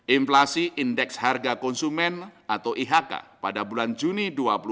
inflasi indeks harga konsumen atau ihk pada bulan juni dua ribu dua puluh